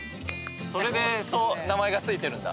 それでそう名前が付いてるんだ。